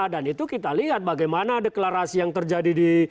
dan itu kita lihat bagaimana deklarasi yang terjadi di